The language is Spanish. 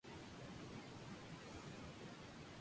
Thomas Lynch, Jr.